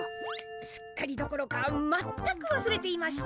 すっかりどころか全くわすれていました。